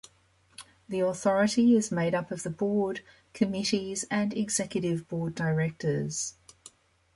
The Authority is made up of the board, committees and executive board directors.